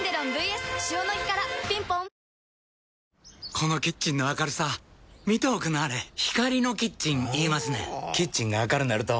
このキッチンの明るさ見ておくんなはれ光のキッチン言いますねんほぉキッチンが明るなると・・・